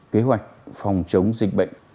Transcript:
kế hoạch phòng chống dịch bệnh